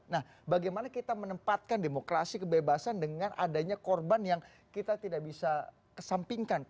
nah bagaimana kita menempatkan demokrasi kebebasan dengan adanya korban yang kita tidak bisa kesampingkan